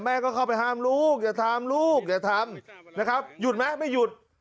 ก็เข้าไปห้ามลูกอย่าทำลูกอย่าทำนะครับหยุดไหมไม่หยุด